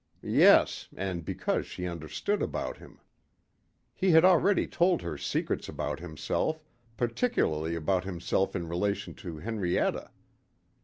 Yes, and because she understood about him. He had already told her secrets about himself, particularly about himself in relation to Henrietta.